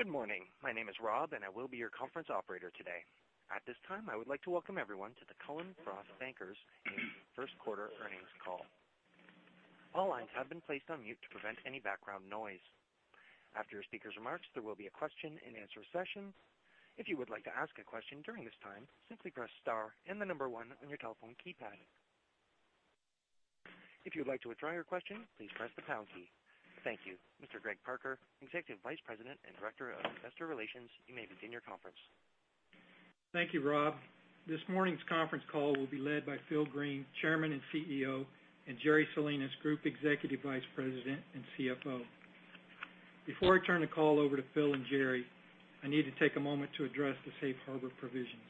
Good morning. My name is Rob, and I will be your conference operator today. At this time, I would like to welcome everyone to the Cullen/Frost Bankers first quarter earnings call. All lines have been placed on mute to prevent any background noise. After our speakers' remarks, there will be a question-and-answer session. If you would like to ask a question during this time, simply press star and the number one on your telephone keypad. If you would like to withdraw your question, please press the pound key. Thank you. Mr. Greg Parker, Executive Vice President and Director of Investor Relations, you may begin your conference. Thank you, Rob. This morning's conference call will be led by Phil Green, Chairman and CEO, and Jerry Salinas, Group Executive Vice President and CFO. Before I turn the call over to Phil and Jerry, I need to take a moment to address the safe harbor provisions.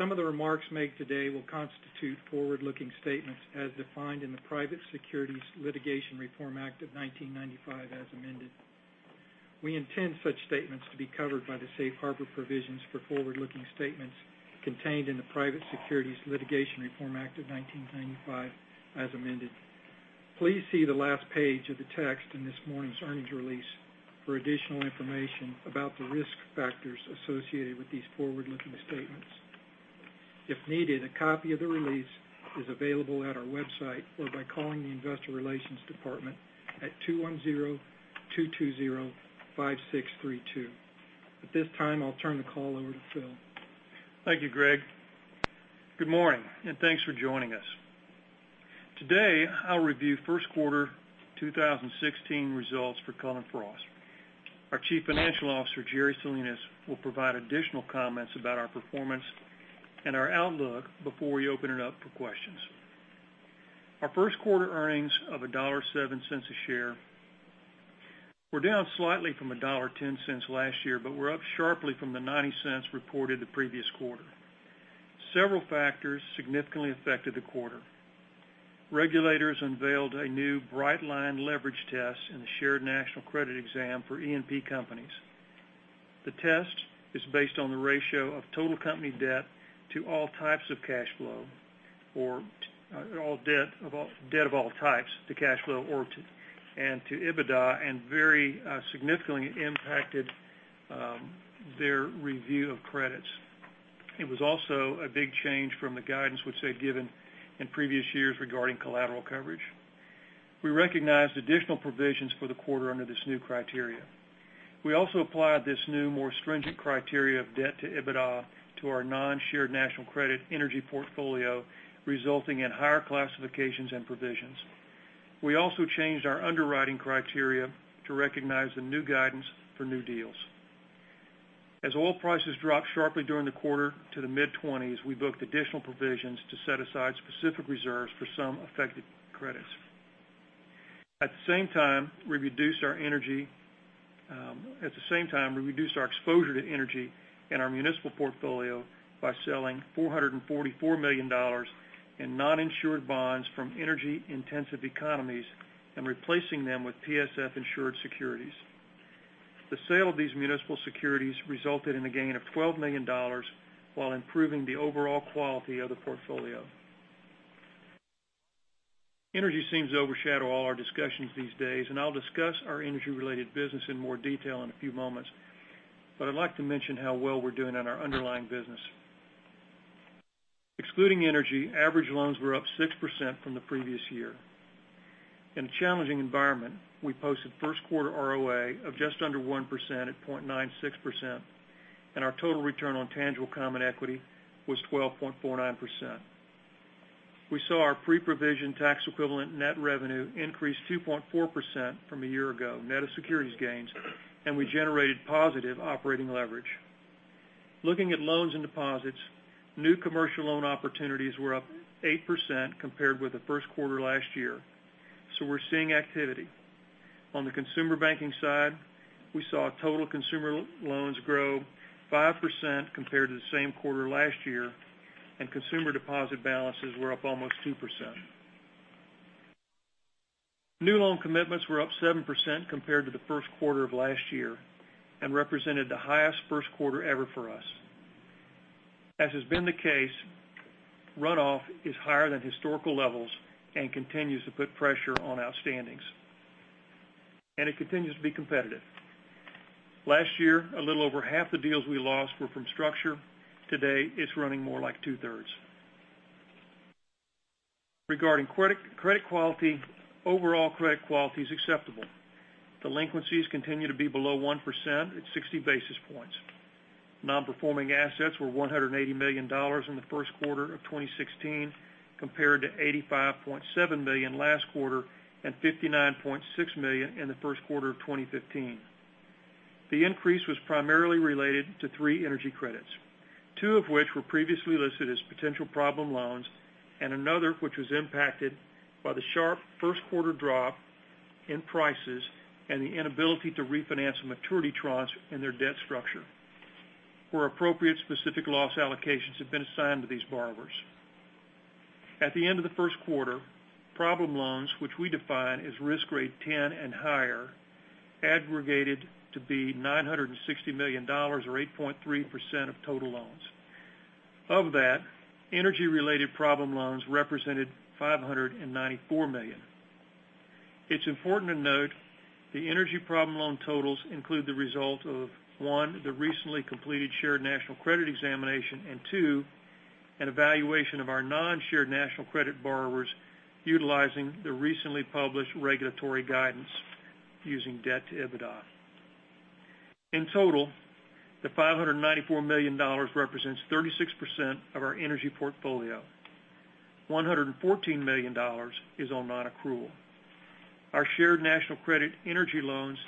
Some of the remarks made today will constitute forward-looking statements as defined in the Private Securities Litigation Reform Act of 1995 as amended. We intend such statements to be covered by the safe harbor provisions for forward-looking statements contained in the Private Securities Litigation Reform Act of 1995 as amended. Please see the last page of the text in this morning's earnings release for additional information about the risk factors associated with these forward-looking statements. If needed, a copy of the release is available at our website or by calling the Investor Relations Department at 210-220-5632. At this time, I'll turn the call over to Phil. Thank you, Greg. Good morning, and thanks for joining us. Today, I'll review first quarter 2016 results for Cullen/Frost. Our Chief Financial Officer, Jerry Salinas, will provide additional comments about our performance and our outlook before we open it up for questions. Our first quarter earnings of $1.07 a share were down slightly from $1.10 last year, but were up sharply from the $0.90 reported the previous quarter. Several factors significantly affected the quarter. Regulators unveiled a new bright line leverage test in the Shared National Credit exam for E&P companies. The test is based on the ratio of total company debt to all types of cash flow, or debt of all types to cash flow and to EBITDA, and very significantly impacted their review of credits. It was also a big change from the guidance which they'd given in previous years regarding collateral coverage. We recognized additional provisions for the quarter under this new criteria. We also applied this new, more stringent criteria of debt to EBITDA to our non-Shared National Credit energy portfolio, resulting in higher classifications and provisions. We also changed our underwriting criteria to recognize the new guidance for new deals. As oil prices dropped sharply during the quarter to the mid-20s, we booked additional provisions to set aside specific reserves for some affected credits. At the same time, we reduced our exposure to energy in our municipal portfolio by selling $444 million in non-insured bonds from energy-intensive economies and replacing them with PSF-insured securities. The sale of these municipal securities resulted in a gain of $12 million while improving the overall quality of the portfolio. Energy seems to overshadow all our discussions these days, I'll discuss our energy-related business in more detail in a few moments, I'd like to mention how well we're doing on our underlying business. Excluding energy, average loans were up 6% from the previous year. In a challenging environment, we posted first quarter ROA of just under 1% at 0.96%, and our total return on tangible common equity was 12.49%. We saw our pre-provision tax equivalent net revenue increase 2.4% from a year ago, net of securities gains, and we generated positive operating leverage. Looking at loans and deposits, new commercial loan opportunities were up 8% compared with the first quarter last year. We're seeing activity. On the consumer banking side, we saw total consumer loans grow 5% compared to the same quarter last year, and consumer deposit balances were up almost 2%. New loan commitments were up 7% compared to the first quarter of last year represented the highest first quarter ever for us. As has been the case, runoff is higher than historical levels and continues to put pressure on outstandings, it continues to be competitive. Last year, a little over half the deals we lost were from structure. Today, it's running more like two-thirds. Regarding credit quality, overall credit quality is acceptable. Delinquencies continue to be below 1% at 60 basis points. Non-performing assets were $180 million in the first quarter of 2016, compared to $85.7 million last quarter and $59.6 million in the first quarter of 2015. The increase was primarily related to three energy credits, two of which were previously listed as potential problem loans and another which was impacted by the sharp first quarter drop in prices and the inability to refinance maturity tranches in their debt structure. Where appropriate, specific loss allocations have been assigned to these borrowers. At the end of the first quarter, problem loans, which we define as risk grade 10 and higher, aggregated to be $960 million, or 8.3% of total loans. Of that, energy related problem loans represented $594 million. It's important to note the energy problem loan totals include the result of, one, the recently completed Shared National Credit examination, two, an evaluation of our non-Shared National Credit borrowers utilizing the recently published regulatory guidance using debt to EBITDA. In total, the $594 million represents 36% of our energy portfolio. $114 million is on non-accrual. Our Shared National Credit energy loans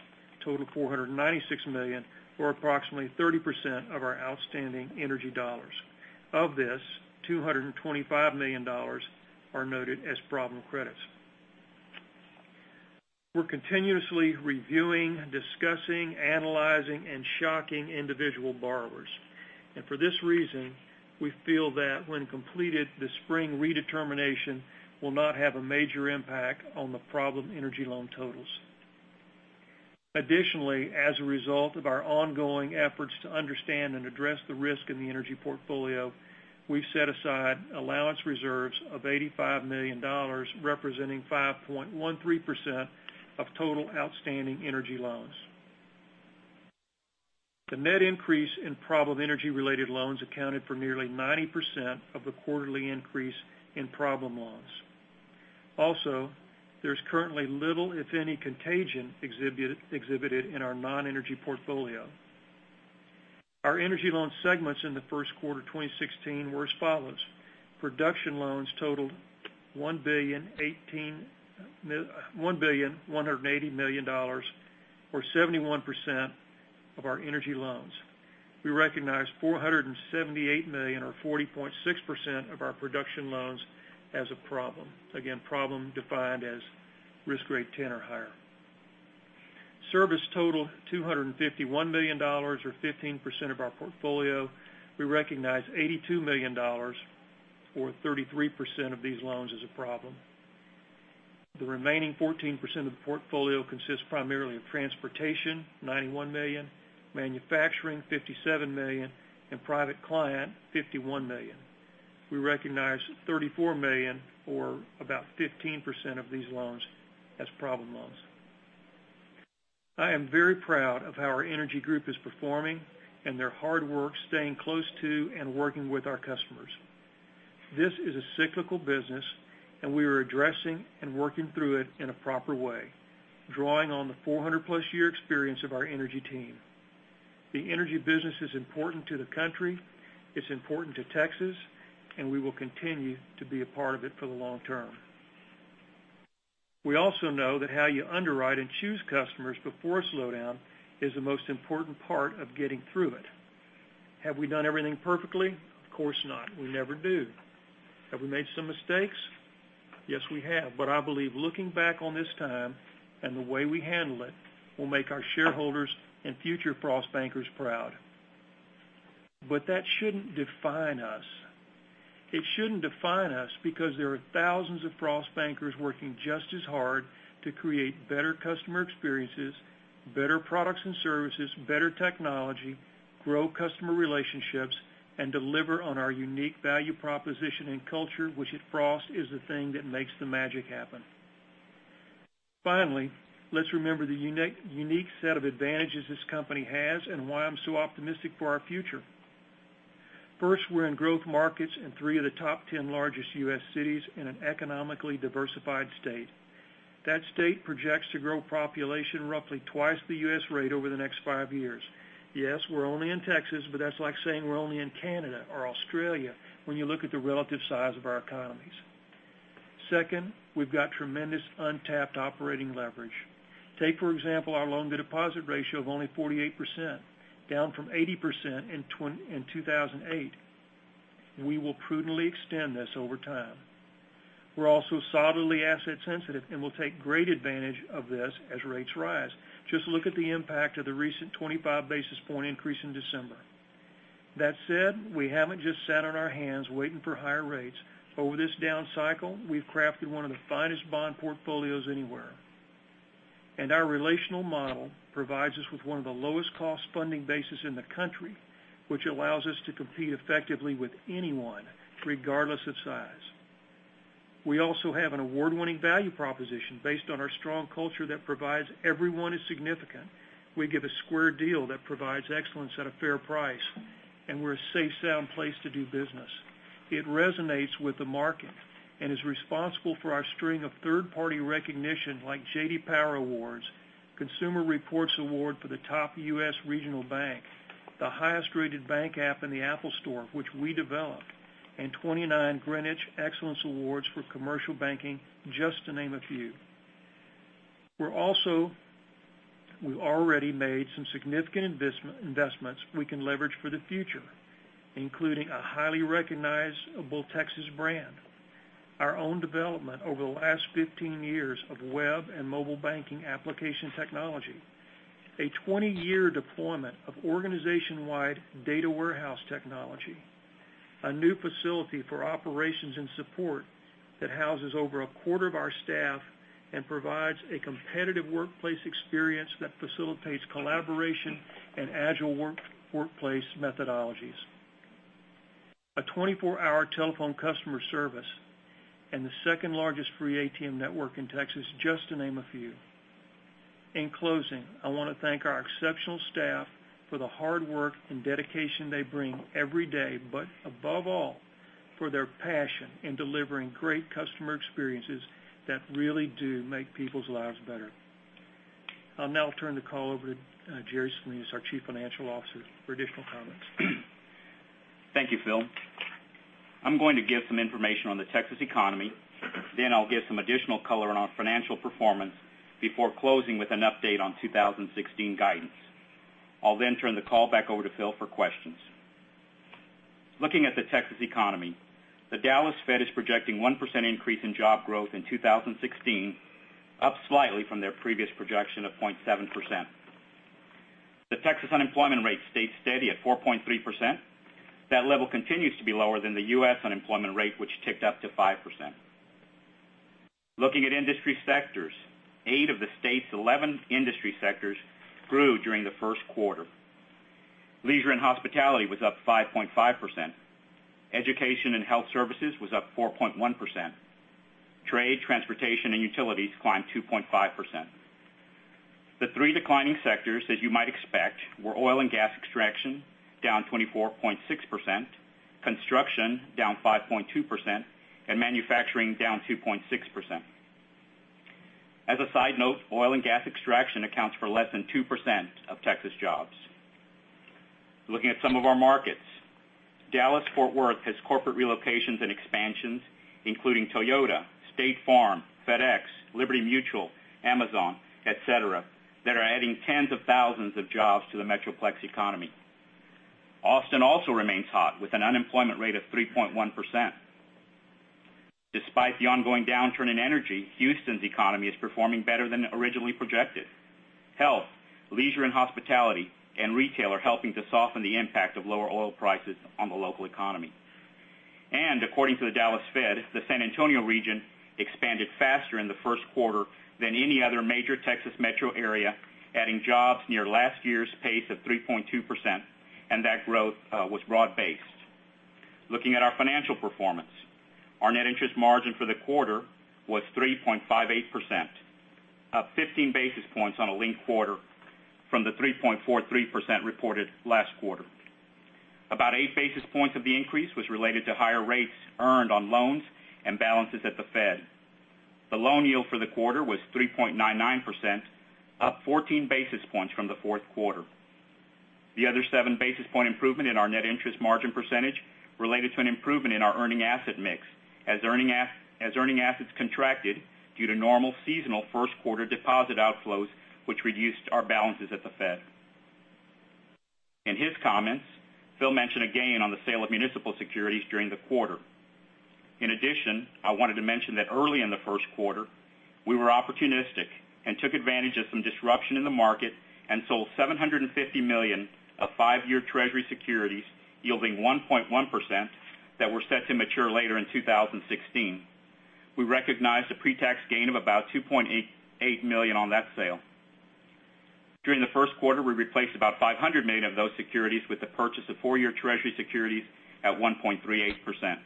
total $496 million, or approximately 30% of our outstanding energy dollars. Of this, $225 million are noted as problem credits. We're continuously reviewing, discussing, analyzing, and shocking individual borrowers. For this reason, we feel that when completed, the spring redetermination will not have a major impact on the problem energy loan totals. Additionally, as a result of our ongoing efforts to understand and address the risk in the energy portfolio, we've set aside allowance reserves of $85 million, representing 5.13% of total outstanding energy loans. The net increase in problem energy related loans accounted for nearly 90% of the quarterly increase in problem loans. There's currently little, if any, contagion exhibited in our non-energy portfolio. Our energy loan segments in the first quarter 2016 were as follows: production loans totaled $1.18 billion, or 71% of our energy loans. We recognized $478 million, or 40.6% of our production loans as a problem. Again, problem defined as risk grade 10 or higher. Service totaled $251 million, or 15% of our portfolio. We recognized $82 million, or 33% of these loans as a problem. The remaining 14% of the portfolio consists primarily of transportation, $91 million, manufacturing, $57 million, and private client, $51 million. We recognized $34 million, or about 15% of these loans, as problem loans. I am very proud of how our energy group is performing and their hard work staying close to and working with our customers. This is a cyclical business, and we are addressing and working through it in a proper way, drawing on the 400-plus year experience of our energy team. The energy business is important to the country, it's important to Texas, we will continue to be a part of it for the long term. We also know that how you underwrite and choose customers before a slowdown is the most important part of getting through it. Have we done everything perfectly? Of course not. We never do. Have we made some mistakes? Yes, we have. I believe looking back on this time and the way we handle it will make our shareholders and future Frost bankers proud. That shouldn't define us. It shouldn't define us because there are thousands of Frost bankers working just as hard to create better customer experiences, better products and services, better technology, grow customer relationships, and deliver on our unique value proposition and culture, which at Frost is the thing that makes the magic happen. Let's remember the unique set of advantages this company has and why I'm so optimistic for our future. We're in growth markets in three of the top 10 largest U.S. cities in an economically diversified state. That state projects to grow population roughly twice the U.S. rate over the next five years. Yes, we're only in Texas, but that's like saying we're only in Canada or Australia when you look at the relative size of our economies. We've got tremendous untapped operating leverage. Take, for example, our loan-to-deposit ratio of only 48%, down from 80% in 2008. We will prudently extend this over time. We're also solidly asset sensitive and will take great advantage of this as rates rise. Just look at the impact of the recent 25 basis point increase in December. That said, we haven't just sat on our hands waiting for higher rates. Over this down cycle, we've crafted one of the finest bond portfolios anywhere. Our relational model provides us with one of the lowest cost funding bases in the country, which allows us to compete effectively with anyone, regardless of size. We also have an award-winning value proposition based on our strong culture that provides everyone is significant. We give a square deal that provides excellence at a fair price, and we're a safe, sound place to do business. It resonates with the market and is responsible for our string of third-party recognition like J.D. Power Awards, Consumer Reports Award for the top U.S. regional bank, the highest rated bank app in the App Store, which we developed, and 29 Greenwich Excellence Awards for commercial banking, just to name a few. We've already made some significant investments we can leverage for the future, including a highly recognizable Texas brand, our own development over the last 15 years of web and mobile banking application technology, a 20-year deployment of organization-wide data warehouse technology, a new facility for operations and support that houses over a quarter of our staff And provides a competitive workplace experience that facilitates collaboration and agile workplace methodologies. A 24-hour telephone customer service and the second-largest free ATM network in Texas, just to name a few. In closing, I want to thank our exceptional staff for the hard work and dedication they bring every day, but above all, for their passion in delivering great customer experiences that really do make people's lives better. I'll now turn the call over to Jerry Salinas, our Chief Financial Officer, for additional comments. Thank you, Phil. I'm going to give some information on the Texas economy, I'll give some additional color on our financial performance before closing with an update on 2016 guidance. I'll turn the call back over to Phil for questions. Looking at the Texas economy, the Dallas Fed is projecting 1% increase in job growth in 2016, up slightly from their previous projection of 0.7%. The Texas unemployment rate stayed steady at 4.3%. That level continues to be lower than the U.S. unemployment rate, which ticked up to 5%. Looking at industry sectors, eight of the state's 11 industry sectors grew during the first quarter. Leisure and hospitality was up 5.5%. Education and health services was up 4.1%. Trade, transportation, and utilities climbed 2.5%. The three declining sectors, as you might expect were oil and gas extraction, down 24.6%, construction, down 5.2%, and manufacturing, down 2.6%. As a side note, oil and gas extraction accounts for less than 2% of Texas jobs. Looking at some of our markets. Dallas-Fort Worth has corporate relocations and expansions, including Toyota, State Farm, FedEx, Liberty Mutual, Amazon, et cetera, that are adding tens of thousands of jobs to the metroplex economy. Austin also remains hot with an unemployment rate of 3.1%. Despite the ongoing downturn in energy, Houston's economy is performing better than originally projected. Health, leisure and hospitality, and retail are helping to soften the impact of lower oil prices on the local economy. According to the Dallas Fed, the San Antonio region expanded faster in the first quarter than any other major Texas metro area, adding jobs near last year's pace of 3.2%, and that growth was broad-based. Looking at our financial performance. Our net interest margin for the quarter was 3.58%, up 15 basis points on a linked quarter from the 3.43% reported last quarter. About eight basis points of the increase was related to higher rates earned on loans and balances at the Fed. The loan yield for the quarter was 3.99%, up 14 basis points from the fourth quarter. The other seven basis point improvement in our net interest margin percentage related to an improvement in our earning asset mix, as earning assets contracted due to normal seasonal first quarter deposit outflows, which reduced our balances at the Fed. In his comments, Phil mentioned a gain on the sale of municipal securities during the quarter. In addition, I wanted to mention that early in the first quarter, we were opportunistic and took advantage of some disruption in the market and sold $750 million of five-year treasury securities yielding 1.1% that were set to mature later in 2016. We recognized a pre-tax gain of about $2.8 million on that sale. During the first quarter, we replaced about $500 million of those securities with the purchase of four-year treasury securities at 1.38%.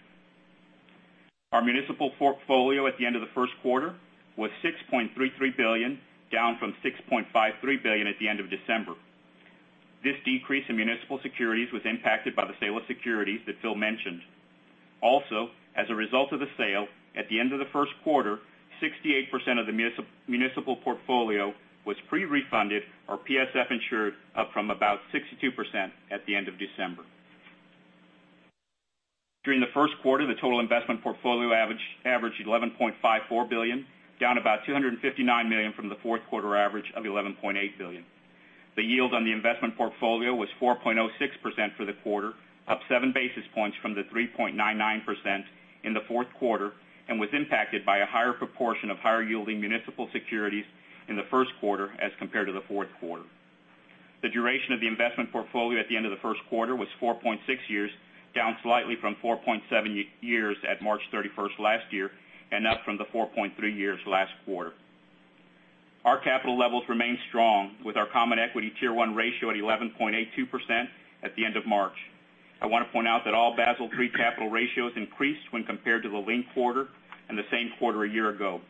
Our municipal portfolio at the end of the first quarter was $6.33 billion, down from $6.53 billion at the end of December. This decrease in municipal securities was impacted by the sale of securities that Phil mentioned. Also, as a result of the sale, at the end of the first quarter, 68% of the municipal portfolio was pre-refunded or PSF insured, up from about 62% at the end of December. During the first quarter, the total investment portfolio averaged $11.54 billion, down about $259 million from the fourth quarter average of $11.8 billion. The yield on the investment portfolio was 4.06% for the quarter, up seven basis points from the 3.99% in the fourth quarter and was impacted by a higher proportion of higher-yielding municipal securities in the first quarter as compared to the fourth quarter. The duration of the investment portfolio at the end of the first quarter was 4.6 years, down slightly from 4.7 years at March 31st last year and up from the 4.3 years last quarter. Our capital levels remain strong with our Common Equity Tier 1 ratio at 11.82% at the end of March. I want to point out that all Basel III capital ratios increased when compared to the linked quarter and the same quarter a year ago.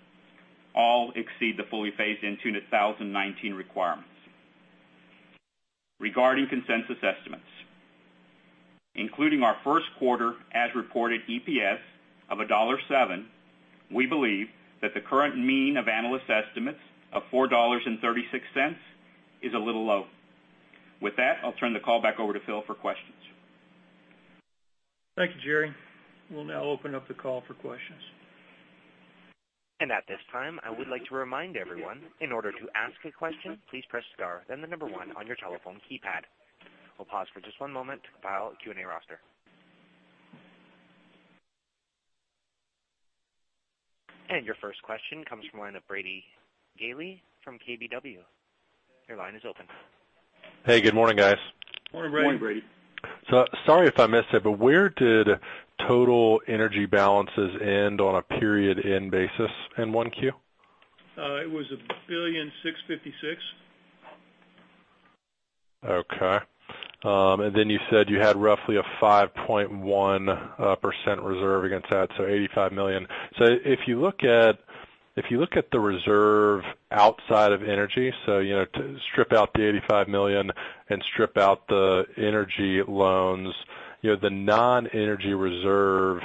All exceed the fully phased-in 2019 requirements. Regarding consensus estimates. Including our first quarter as reported EPS of $1.07, we believe that the current mean of analyst estimates of $4.36 is a little low. With that, I'll turn the call back over to Phil for questions. Thank you, Jerry. We'll now open up the call for questions. At this time, I would like to remind everyone, in order to ask a question, please press star, then the number one on your telephone keypad. We'll pause for just one moment to compile a Q&A roster. Your first question comes from the line of Brady Gailey from KBW. Your line is open. Hey, good morning, guys. Morning, Brady. Morning. Sorry if I missed it, where did total energy balances end on a period end basis in 1Q? It was $1.656 billion. Okay. You said you had roughly a 5.1% reserve against that, $85 million. If you look at the reserve outside of energy, to strip out the $85 million and strip out the energy loans, the non-energy reserve,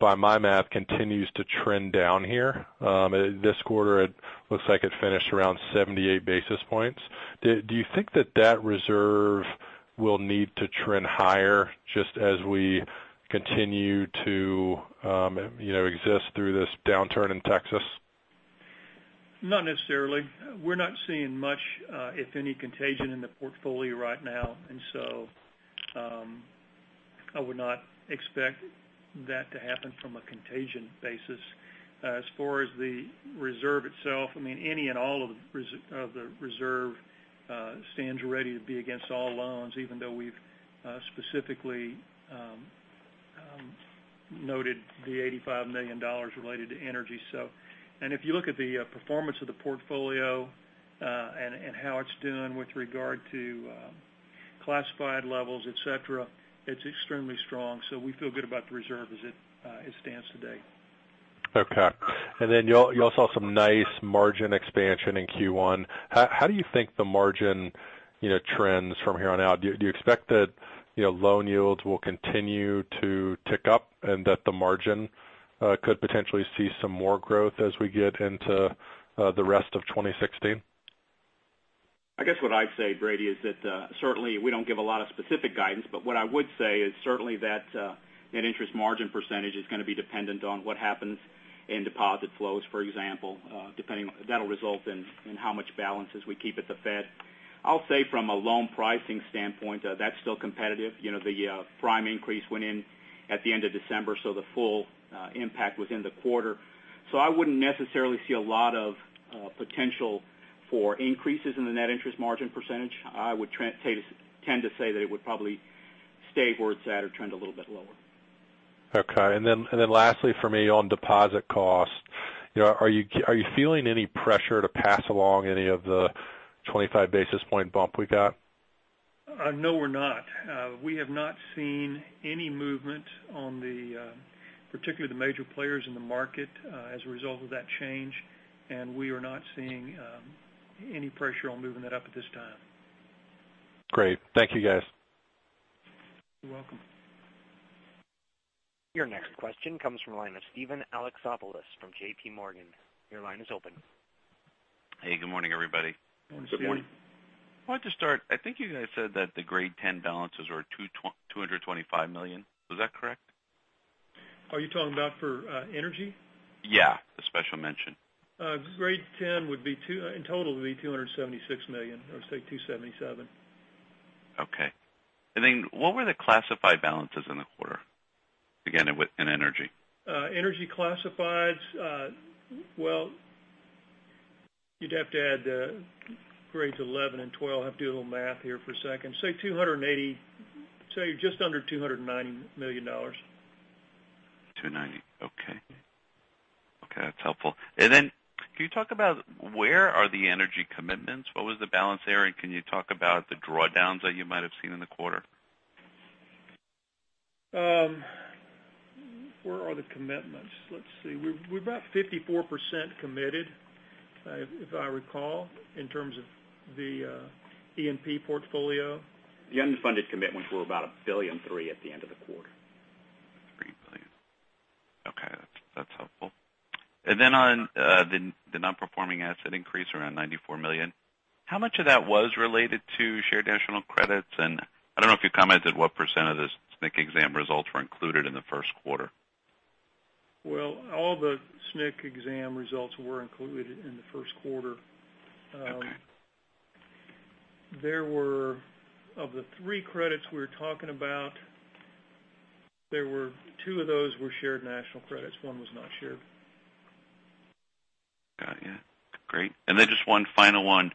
by my math, continues to trend down here. This quarter it looks like it finished around 78 basis points. Do you think that reserve will need to trend higher just as we continue to exist through this downturn in Texas? Not necessarily. We're not seeing much, if any, contagion in the portfolio right now. I would not expect that to happen from a contagion basis. As far as the reserve itself, any and all of the reserve stands ready to be against all loans, even though we've specifically noted the $85 million related to energy. If you look at the performance of the portfolio, and how it's doing with regard to classified levels, et cetera, it's extremely strong. We feel good about the reserve as it stands today. Okay. You all saw some nice margin expansion in Q1. How do you think the margin trends from here on out? Do you expect that loan yields will continue to tick up, and that the margin could potentially see some more growth as we get into the rest of 2016? I guess what I'd say, Brady, is that certainly we don't give a lot of specific guidance, but what I would say is certainly that net interest margin percentage is going to be dependent on what happens in deposit flows, for example. That'll result in how much balances we keep at the Fed. I'll say from a loan pricing standpoint, that's still competitive. The prime increase went in at the end of December, so the full impact was in the quarter. I wouldn't necessarily see a lot of potential for increases in the net interest margin percentage. I would tend to say that it would probably stay where it's at or trend a little bit lower. Okay. Lastly for me on deposit cost, are you feeling any pressure to pass along any of the 25 basis point bump we got? No, we're not. We have not seen any movement particularly the major players in the market as a result of that change, and we are not seeing any pressure on moving that up at this time. Great. Thank you guys. You're welcome. Your next question comes from the line of Steven Alexopoulos from JPMorgan. Your line is open. Hey, good morning, everybody. Good morning. Good morning. I wanted to start, I think you guys said that the grade 10 balances were $225 million. Is that correct? Are you talking about for energy? Yeah, the special mention. Grade 10 in total would be $276 million, or say $277. Okay. Then what were the classified balances in the quarter? Again, in energy. Energy classifieds, well, you'd have to add grades 11 and 12. I have to do a little math here for a second. Say just under $290 million. 290. Okay. That's helpful. Can you talk about where are the energy commitments? What was the balance there, and can you talk about the drawdowns that you might have seen in the quarter? Where are the commitments? Let's see. We're about 54% committed, if I recall, in terms of the E&P portfolio. The unfunded commitments were about $1.3 billion at the end of the quarter. $3 billion. Okay. That's helpful. On the non-performing asset increase around $94 million, how much of that was related to Shared National Credits? I don't know if you commented what percent of the SNC exam results were included in the first quarter. Well, all the SNC exam results were included in the first quarter. Okay. Of the three credits we're talking about, two of those were Shared National Credits. One was not shared. Got you. Great. Just one final one.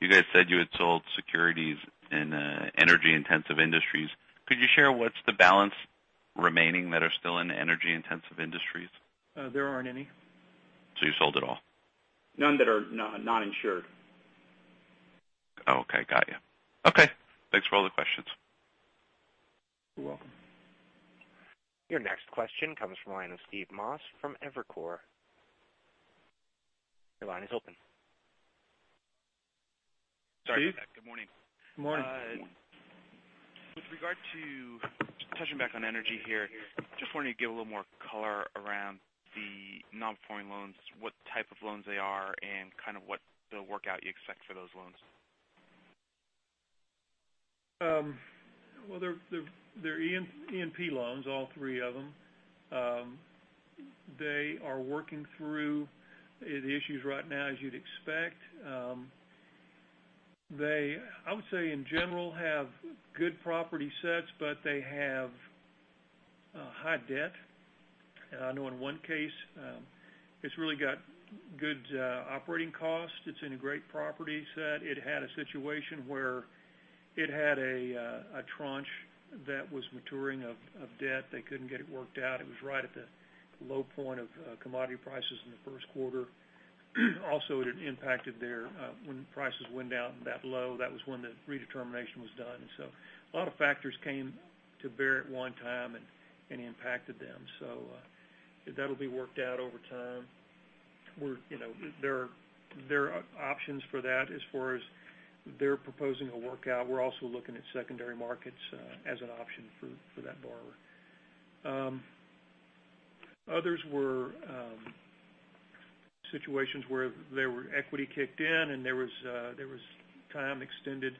You guys said you had sold securities in energy-intensive industries. Could you share what's the balance remaining that are still in energy-intensive industries? There aren't any. You sold it all. None that are not insured. Okay, got you. Okay. Thanks for all the questions. You're welcome. Your next question comes from the line of Steve Moss from Evercore. Your line is open. Sorry about that. Good morning. Good morning. With regard to touching back on energy here, just wondering if you could give a little more color around the non-performing loans, what type of loans they are, and kind of what the workout you expect for those loans. They're E&P loans, all three of them. They are working through the issues right now, as you'd expect. I would say, in general, have good property sets, but they have high debt. I know in one case, it's really got good operating costs. It's in a great property set. It had a situation where it had a tranche that was maturing of debt. They couldn't get it worked out. It was right at the low point of commodity prices in the first quarter. Also, it had impacted their When prices went down that low, that was when the redetermination was done. A lot of factors came to bear at one time and impacted them. That'll be worked out over time. There are options for that as far as they're proposing a workout. We're also looking at secondary markets as an option for that borrower. Others were situations where their equity kicked in and there was time extended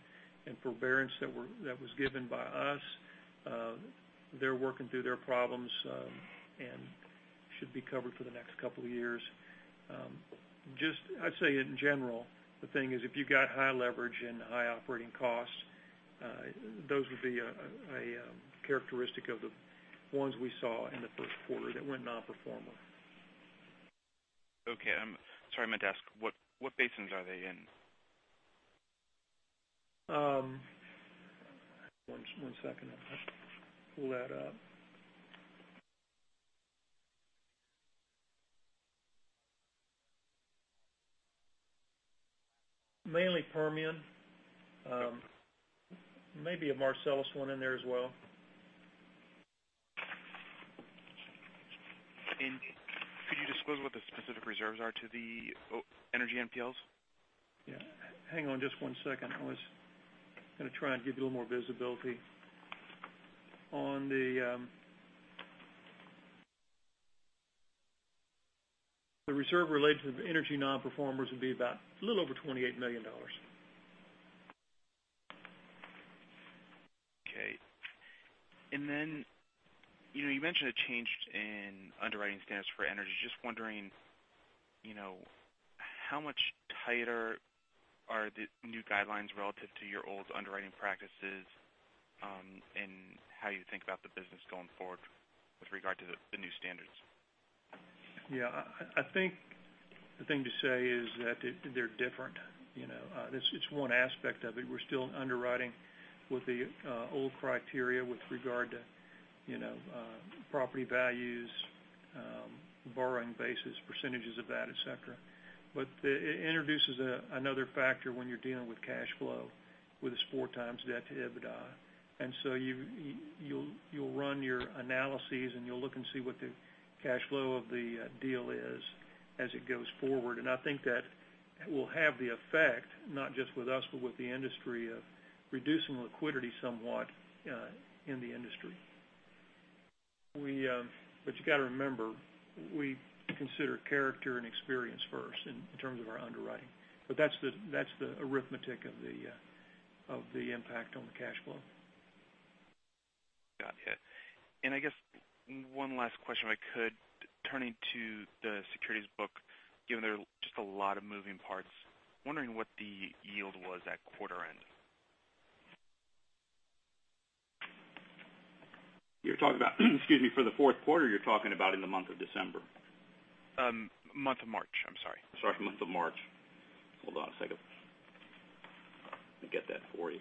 and forbearance that was given by us. They're working through their problems, and should be covered for the next couple of years. I'd say, in general, the thing is, if you've got high leverage and high operating costs, those would be a characteristic of the ones we saw in the first quarter that went non-performer. Okay. Sorry, my desk. What basins are they in? One second. I'll pull that up. Mainly Permian. Maybe a Marcellus one in there as well. Could you disclose what the specific reserves are to the energy NPLs? Yeah. Hang on just one second. I was going to try and give you a little more visibility. On the reserve related to the energy non-performers would be about a little over $28 million. Okay. You mentioned a change in underwriting standards for energy. Just wondering, how much tighter are the new guidelines relative to your old underwriting practices, and how you think about the business going forward with regard to the new standards? Yeah. I think the thing to say is that they're different. It's one aspect of it. We're still underwriting with the old criteria with regard to property values, borrowing bases, percentages of that, et cetera. It introduces another factor when you're dealing with cash flow, with this four times debt to EBITDA. You'll run your analyses, and you'll look and see what the cash flow of the deal is as it goes forward. I think that will have the effect, not just with us, but with the industry, of reducing liquidity somewhat, in the industry. You got to remember, we consider character and experience first in terms of our underwriting. That's the arithmetic of the impact on the cash flow. Got it. I guess one last question, if I could. Turning to the securities book, given there are just a lot of moving parts, wondering what the yield was at quarter end. You're talking about, excuse me, for the fourth quarter, you're talking about in the month of December? Month of March. I'm sorry. Sorry, month of March. Hold on a second. Let me get that for you.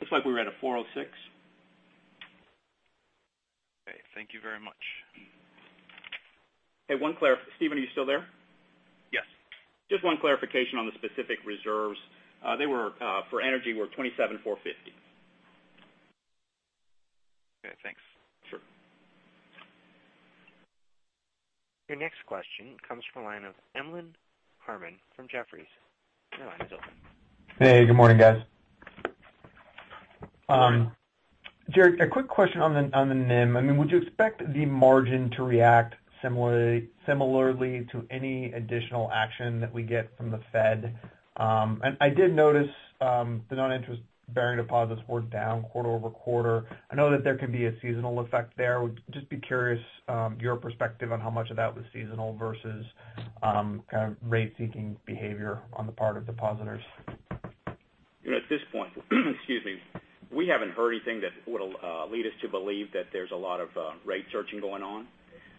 Looks like we're at a 406. Okay. Thank you very much. Hey, one clari-- Steven, are you still there? Yes. Just one clarification on the specific reserves. They were, for energy, $27,450,000. Okay, thanks. Sure. Your next question comes from the line of Emlen Harmon from Jefferies. Your line is open. Hey, good morning, guys. Good morning. Jerry, a quick question on the NIM. Would you expect the margin to react similarly to any additional action that we get from the Fed? I did notice the non-interest bearing deposits were down quarter-over-quarter. I know that there can be a seasonal effect there. Would just be curious your perspective on how much of that was seasonal versus rate-seeking behavior on the part of depositors. At this point, excuse me, we haven't heard anything that would lead us to believe that there's a lot of rate searching going on.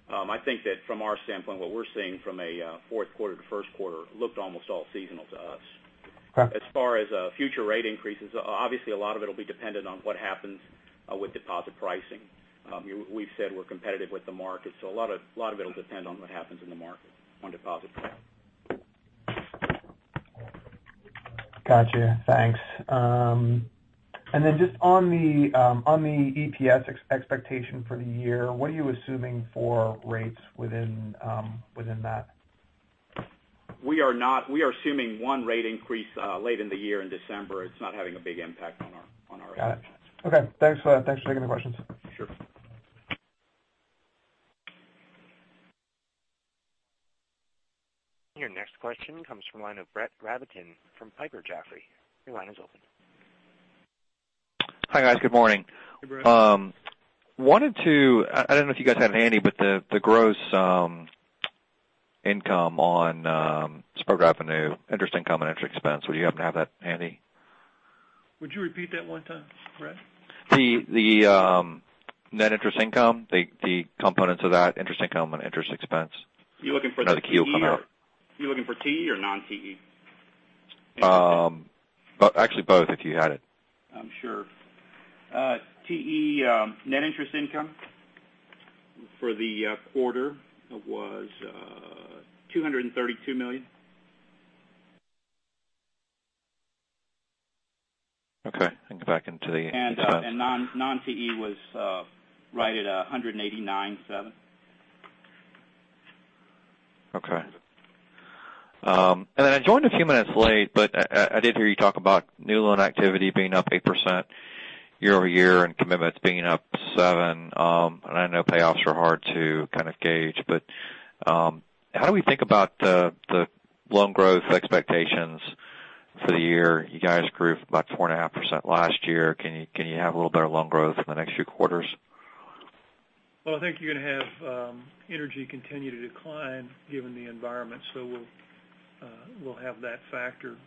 I think that from our standpoint, what we're seeing from a fourth quarter to first quarter looked almost all seasonal to us. Okay. As far as future rate increases, obviously a lot of it will be dependent on what happens with deposit pricing. We've said we're competitive with the market, a lot of it'll depend on what happens in the market on deposit pricing. Gotcha. Thanks. Just on the EPS expectation for the year, what are you assuming for rates within that? We are assuming one rate increase late in the year in December. It's not having a big impact on our expectations. Got it. Okay. Thanks for taking the questions. Sure. Your next question comes from the line of Brett Rabatin from Piper Jaffray. Your line is open. Hi, guys. Good morning. Hey, Brett. I don't know if you guys have it handy, the gross income on revenue, interest income, and interest expense, would you happen to have that handy? Would you repeat that one time, Brett? The net interest income, the components of that, interest income and interest expense. Are you looking for TE or non-TE? Actually, both, if you had it. Sure. TE net interest income for the quarter was $232 million. Okay. Non-TE was right at $189.7 million. Okay. I joined a few minutes late, but I did hear you talk about new loan activity being up 8% year-over-year and commitments being up 7%. I know payoffs are hard to gauge, but how do we think about the loan growth expectations for the year? You guys grew about 4.5% last year. Can you have a little better loan growth in the next few quarters? Well, I think you're going to have energy continue to decline given the environment. We'll have that factor.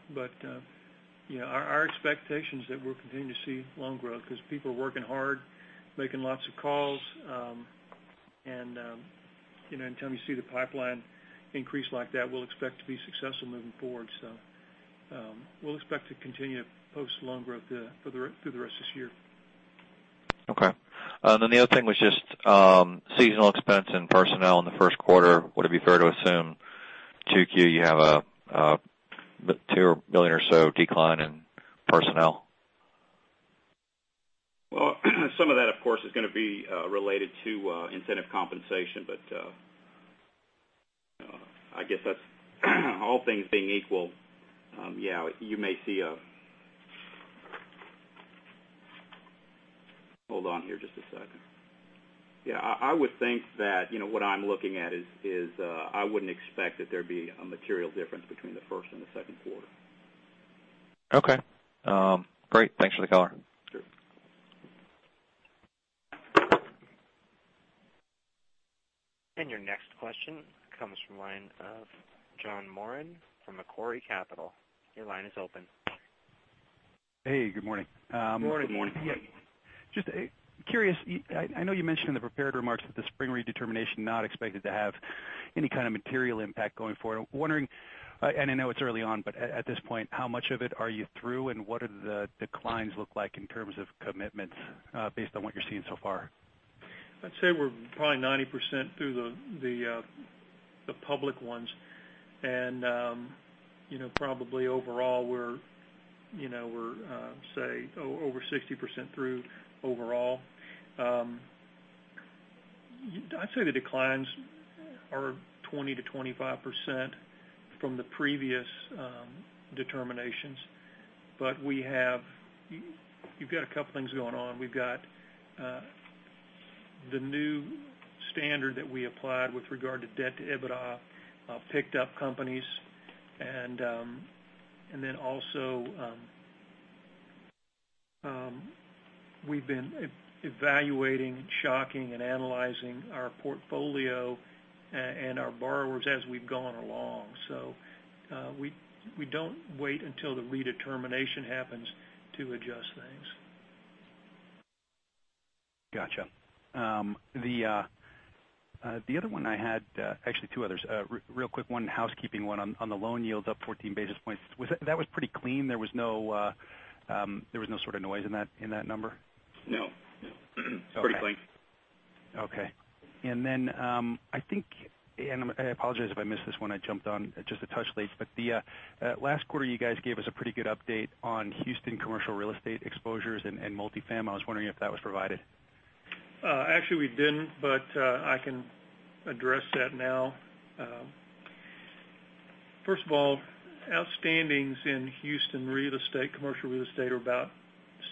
Our expectation is that we'll continue to see loan growth because people are working hard, making lots of calls, and anytime you see the pipeline increase like that, we'll expect to be successful moving forward. We'll expect to continue to post loan growth through the rest of this year. Okay. The other thing was just seasonal expense and personnel in the first quarter. Would it be fair to assume 2Q, you have a $2 million or so decline in personnel? Well, some of that, of course, is going to be related to incentive compensation. I guess that's all things being equal, yeah, you may see a Hold on here just a second. Yeah, I would think that what I'm looking at is I wouldn't expect that there'd be a material difference between the first and the second quarter. Okay. Great. Thanks for the color. Sure. Your next question comes from the line of John Moran from Macquarie Capital. Your line is open. Hey, good morning. Good morning. Just curious, I know you mentioned in the prepared remarks that the spring redetermination not expected to have any kind of material impact going forward. I'm wondering, and I know it's early on, but at this point, how much of it are you through, and what do the declines look like in terms of commitments based on what you're seeing so far? I'd say we're probably 90% through the public ones, and probably overall we're, say, over 60% through overall. I'd say the declines are 20%-25% from the previous determinations. You've got a couple of things going on. We've got the new standard that we applied with regard to debt to EBITDA picked up companies, and then also we've been evaluating, shocking, and analyzing our portfolio and our borrowers as we've gone along. We don't wait until the redetermination happens to adjust things. Got you. The other one I had. Actually two others. Real quick one, housekeeping one on the loan yields up 14 basis points. That was pretty clean. There was no sort of noise in that number? No. Okay. Pretty clean. Okay. I think, I apologize if I missed this when I jumped on just a touch late, the last quarter, you guys gave us a pretty good update on Houston commercial real estate exposures and multi-fam. I was wondering if that was provided. Actually, we didn't. I can address that now. First of all, outstandings in Houston commercial real estate are about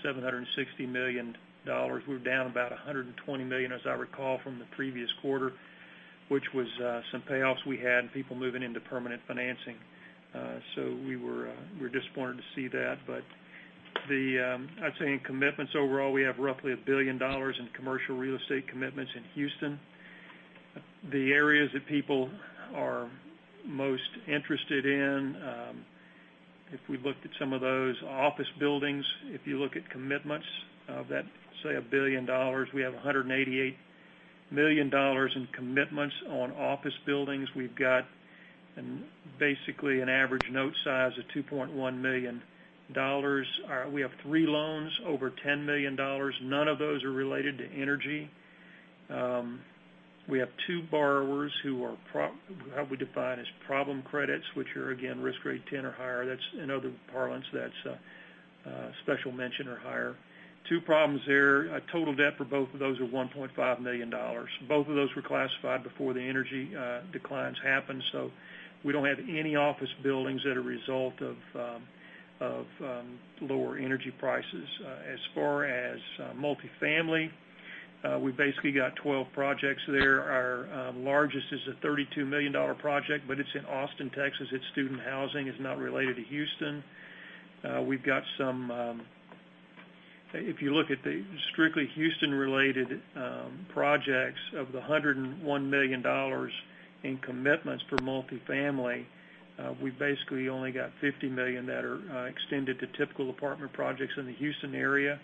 $760 million. We're down about $120 million, as I recall, from the previous quarter, which was some payoffs we had and people moving into permanent financing. We were disappointed to see that. I'd say in commitments overall, we have roughly $1 billion in commercial real estate commitments in Houston. The areas that people are most interested in, if we looked at some of those office buildings, if you look at commitments of that, say, $1 billion, we have $188 million in commitments on office buildings. We've got basically an average note size of $2.1 million. We have three loans over $10 million. None of those are related to energy. We have two borrowers who we define as problem credits, which are, again, risk grade 10 or higher. In other parlance, that's special mention or higher. Two problems there. Total debt for both of those are $1.5 million. Both of those were classified before the energy declines happened. We don't have any office buildings that are a result of lower energy prices. As far as multifamily, we've basically got 12 projects there. Our largest is a $32 million project, but it's in Austin, Texas. It's student housing, it's not related to Houston. If you look at the strictly Houston-related projects, of the $101 million in commitments for multifamily, we've basically only got $50 million that are extended to typical apartment projects in the Houston area.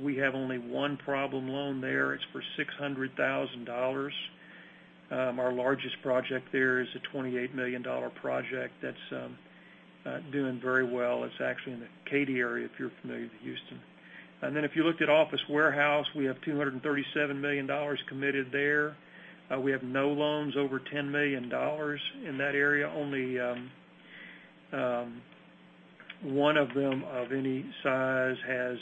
We have only one problem loan there. It's for $600,000. Our largest project there is a $28 million project that's doing very well. It's actually in the Katy area, if you're familiar with Houston. If you looked at office warehouse, we have $237 million committed there. We have no loans over $10 million in that area, only one of them of any size has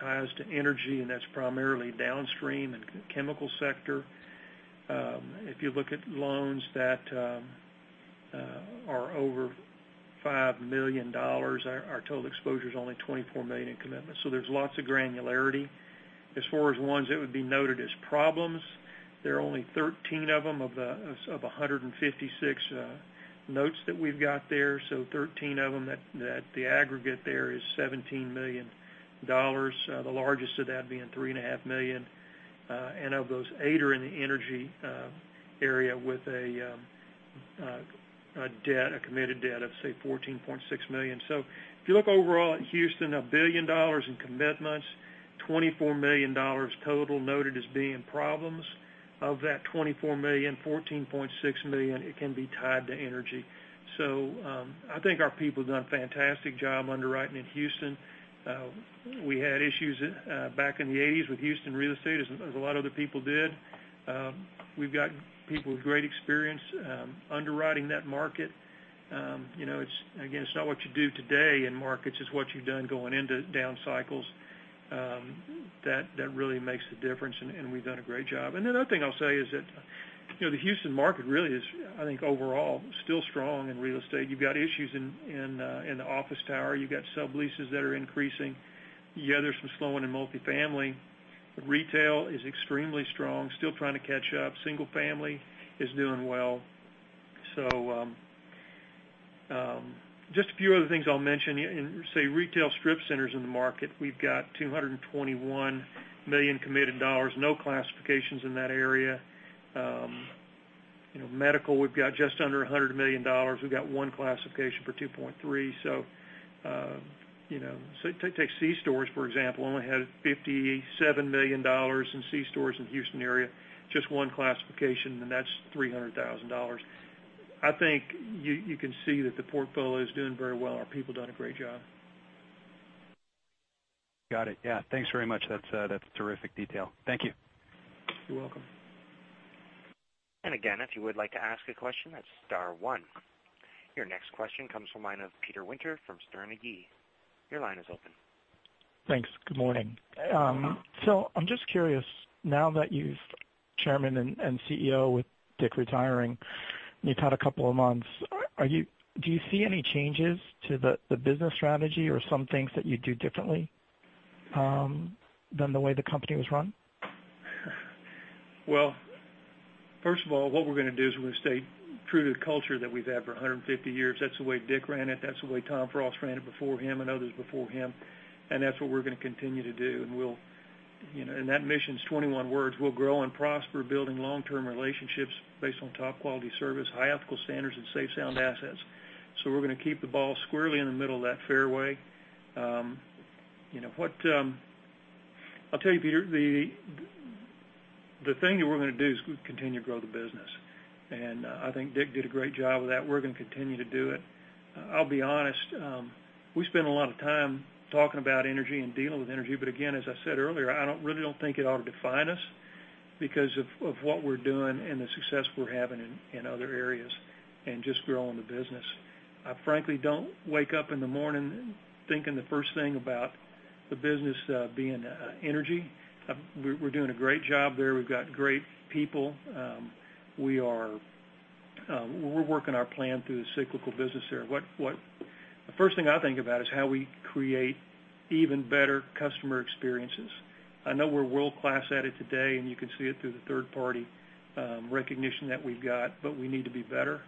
ties to energy, and that's primarily downstream and chemical sector. If you look at loans that are over $5 million, our total exposure is only $24 million in commitments, there's lots of granularity. As far as ones that would be noted as problems, there are only 13 of them of the 156 notes that we've got there. 13 of them, the aggregate there is $17 million, the largest of that being $3.5 million. Of those, eight are in the energy area with a committed debt of, say, $14.6 million. If you look overall at Houston, $1 billion in commitments, $24 million total noted as being problems. Of that $24 million, $14.6 million can be tied to energy. I think our people have done a fantastic job underwriting in Houston. We had issues back in the '80s with Houston real estate, as a lot of other people did. We've got people with great experience underwriting that market. Again, it's not what you do today in markets, it's what you've done going into down cycles that really makes the difference, and we've done a great job. Another thing I'll say is that the Houston market really is, I think, overall, still strong in real estate. You've got issues in the office tower. You've got subleases that are increasing. Yeah, there's some slowing in multifamily. Retail is extremely strong, still trying to catch up. Single family is doing well. Just a few other things I'll mention. In, say, retail strip centers in the market, we've got $221 million committed, no classifications in that area. Medical, we've got just under $100 million. We've got one classification for $2.3. Take C-stores, for example, only had $57 million in C-stores in the Houston area, just one classification, and that's $300,000. I think you can see that the portfolio is doing very well. Our people have done a great job. Got it. Yeah. Thanks very much. That's terrific detail. Thank you. You're welcome. If you would like to ask a question, that's star one. Your next question comes from the line of Peter Winter from Sterne Agee. Your line is open. Thanks. Good morning. Good morning. I'm just curious, now that you're Chairman and CEO, with Dick retiring, and you've had a couple of months, do you see any changes to the business strategy or some things that you'd do differently than the way the company was run? Well, first of all, what we're going to do is we're going to stay true to the culture that we've had for 150 years. That's the way Dick ran it, that's the way Tom Frost ran it before him, and others before him, and that's what we're going to continue to do. That mission's 21 words. We'll grow and prosper, building long-term relationships based on top-quality service, high ethical standards, and safe, sound assets. We're going to keep the ball squarely in the middle of that fairway. I'll tell you, Peter, the thing that we're going to do is continue to grow the business, and I think Dick did a great job of that. We're going to continue to do it. I'll be honest, we spend a lot of time talking about energy and dealing with energy, but again, as I said earlier, I really don't think it ought to define us because of what we're doing and the success we're having in other areas and just growing the business. I frankly don't wake up in the morning thinking the first thing about the business being energy. We're doing a great job there. We've got great people. We're working our plan through the cyclical business there. The first thing I think about is how we create even better customer experiences. I know we're world-class at it today, and you can see it through the third-party recognition that we've got, but we need to be better,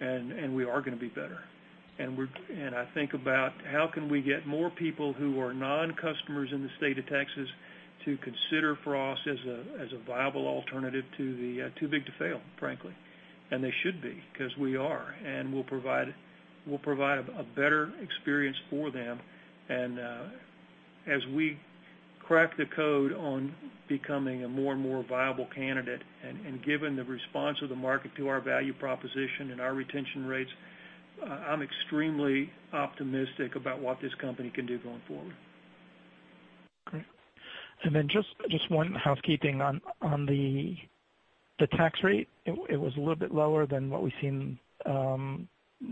and we are going to be better. I think about how can we get more people who are non-customers in the state of Texas to consider Frost as a viable alternative to the too-big-to-fail, frankly. They should be, because we are, and we'll provide a better experience for them. As we crack the code on becoming a more and more viable candidate, and given the response of the market to our value proposition and our retention rates, I'm extremely optimistic about what this company can do going forward. Great. Just one housekeeping on the tax rate. It was a little bit lower than what we've seen the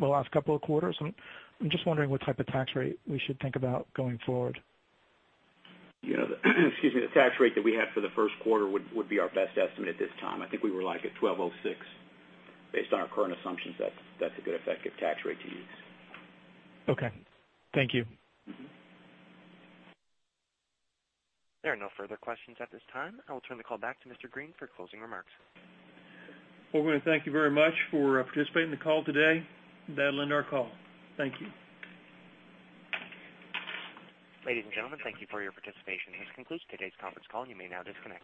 last couple of quarters. I'm just wondering what type of tax rate we should think about going forward. The tax rate that we had for the first quarter would be our best estimate at this time. I think we were, like, at 1,206. Based on our current assumptions, that's a good effective tax rate to use. Okay. Thank you. There are no further questions at this time. I will turn the call back to Mr. Green for closing remarks. Well, we want to thank you very much for participating in the call today, and that'll end our call. Thank you. Ladies and gentlemen, thank you for your participation. This concludes today's conference call. You may now disconnect.